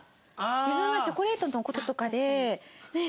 自分がチョコレートの事とかで「ねえ！